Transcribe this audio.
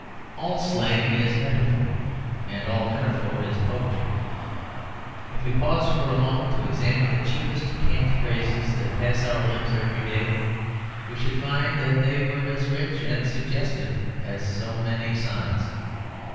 All slang is metaphor, and all metaphor is poetry. If we paused for a moment to examine the cheapest cant phrases that pass our lips every day, we should find that they were as rich and suggestive as so many sonnets.